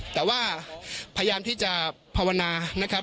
แต่ว่าพยายามที่จะภาวนานะครับ